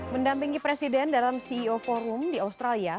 mendampingi presiden dalam ceo forum di australia